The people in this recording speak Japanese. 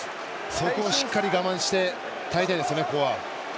そこをしっかり我慢して耐えたいですよね。